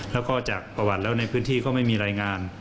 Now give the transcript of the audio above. แล้วก็จากประวัติแล้วในพื้นที่ก็ไม่มีรายงาน